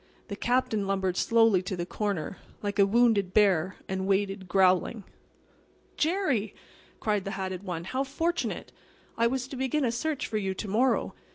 The Captain lumbered slowly to the corner, like a wounded bear, and waited, growling. "Jerry!" cried the hatted one. "How fortunate! I was to begin a search for you to morrow.